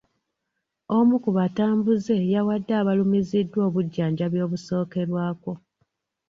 Omu kubatambuze yawadde abalumiziddwa obujjanjabi obusookerwako.